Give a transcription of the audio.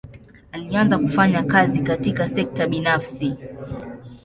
Alianza kufanya kazi katika sekta binafsi.